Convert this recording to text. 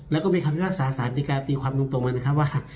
แล้วก็มีคำพิพักษ์ศาสนในการตีความตรงมันนะครับว่า